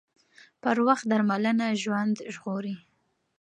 پر وخت درملنه ژوند ژغوري